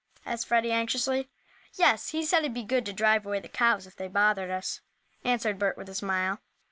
asked Freddie, anxiously. "Yes. He said he'd be good to drive away the cows if they bothered us," answered Bert, with a smile.